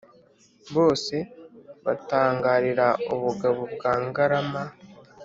Bose batangarira ubugabo bwa Ngarama.